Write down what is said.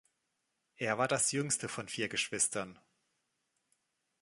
Er war das jüngste von vier Geschwistern.